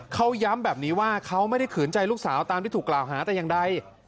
เขาย้ำแบบนี้ว่าเขาไม่ได้ขืนใจลูกสาวตามที่ถูกกล่าวหาแต่อย่างใด